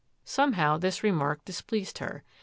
Somehow this remark displeased her.